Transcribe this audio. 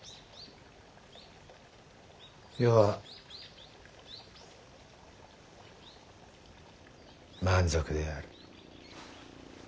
余は満足である。